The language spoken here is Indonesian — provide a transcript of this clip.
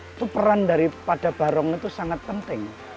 itu peran daripada barong itu sangat penting